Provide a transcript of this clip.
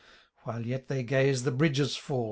While yet they gaze, the bridges fall.